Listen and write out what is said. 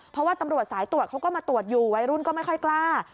เพราะว่าตำรวจสายตรวจเขาก็มาตรวจอยู่วัยรุ่นก็ไม่ค่อยกล้า